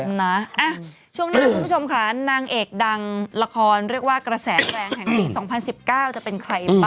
นะช่วงหน้าคุณผู้ชมค่ะนางเอกดังละครเรียกว่ากระแสแรงแห่งปี๒๐๑๙จะเป็นใครบ้าง